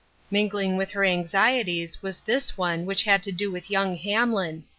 Mingling with her anxieties was this one which had to do with young Hamlin.